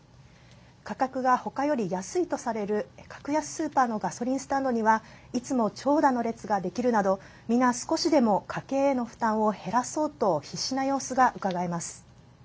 価格が、ほかより安いとされる格安スーパーのガソリンスタンドにはいつも長蛇の列ができるなど皆、少しでも家計への負担を減らそうと必死な様子がうかがえます。